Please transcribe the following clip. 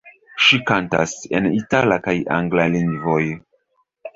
Ŝi kantas en itala kaj angla lingvoj.